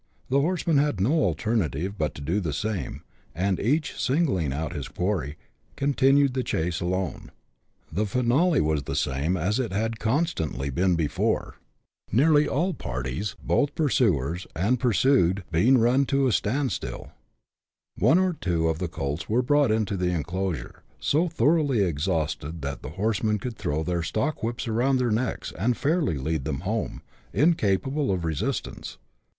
The horsemen had no alternative but to do the same, and each singling out his quarry, continued the chase alone. The finale was the same as it had constantly been before, nearly all G 82 BUSH LIFE IN AUSTRALIA. [chap. vii. parties, both pursuers and pursued, being run to a stand still. One or two of the colts were brought in to the enclosures, so thoroughly exhausted that the horsemen could throw their stock whips around their necks, and fairly lead them home, incapable of resistance.